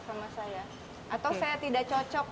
sama saya atau saya tidak cocok